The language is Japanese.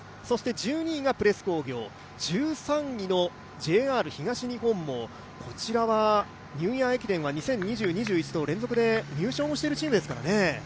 １２位がプレス工業、１３位のＪＲ東日本もニューイヤー駅伝は２０２０、２１年と連続で入賞しているチームですからね。